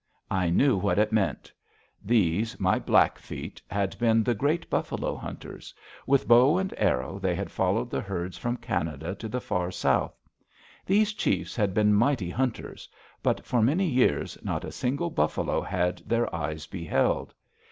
I knew what it meant. These, my Blackfeet, had been the great buffalo hunters. With bow and arrow they had followed the herds from Canada to the Far South. These chiefs had been mighty hunters. But for many years not a single buffalo had their eyes beheld.